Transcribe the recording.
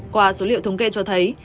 qua số liệu thống kê cho thấy